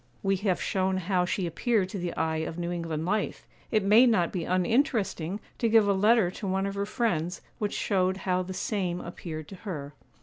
We have shown how she appeared to the eye of New England life; it may not be uninteresting to give a letter to one of her friends, which showed how the same appeared to her.